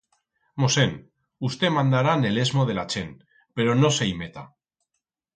Mosen, usté mandará n'el esmo de la chent, pero no se i meta.